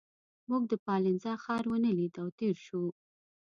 موږ د پالنزا ښار ونه لید او تېر شوو.